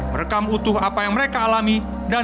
merekam utuh apa yang mereka alami dan mencari penyelesaian